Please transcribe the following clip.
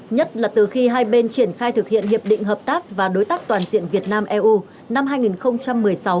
nhất là từ khi hai bên triển khai thực hiện hiệp định hợp tác và đối tác toàn diện việt nam eu năm hai nghìn một mươi sáu